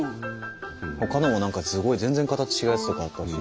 ほかのも何かすごい全然形違うやつとかあったし。